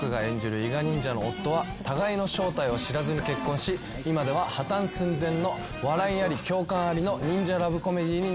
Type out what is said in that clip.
伊賀忍者の夫は互いの正体を知らずに結婚し今では破綻寸前の笑いあり共感ありの忍者ラブコメディーになっています。